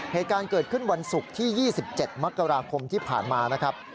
เหตุการณ์เกิดขึ้นวันศุกร์ที่๒๗มกราคมที่ผ่านมานะครับ